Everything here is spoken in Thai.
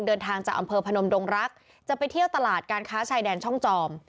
เดินทางจากอำเภอพนมดงรักจะไปเที่ยวตลาดการค้าชายแดนช่องจอม